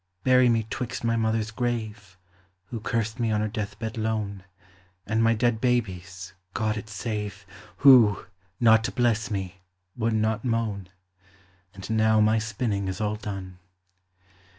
Bury me 'twixt my mother's grave, (Who cursed me on her death bed lone) And my dead baby's (God it save!) Who, not to bless me, would not moan. And now my spinning is all done.